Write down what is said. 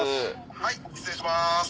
はい失礼します。